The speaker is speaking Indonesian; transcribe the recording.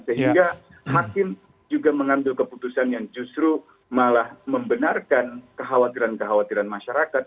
sehingga hakim juga mengambil keputusan yang justru malah membenarkan kekhawatiran kekhawatiran masyarakat